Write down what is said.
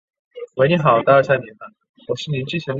事情终究还没解决